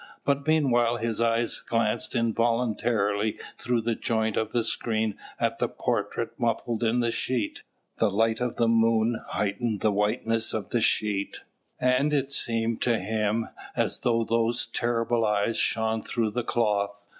But meanwhile his eye glanced involuntarily through the joint of the screen at the portrait muffled in the sheet. The light of the moon heightened the whiteness of the sheet, and it seemed to him as though those terrible eyes shone through the cloth.